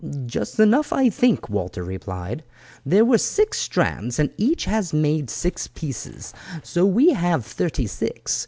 "Just enough, I think," Walter replied; "there were six strands, and each has made six pieces, so we have thirty six.